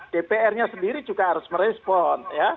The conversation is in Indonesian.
dpr nya sendiri juga harus merespon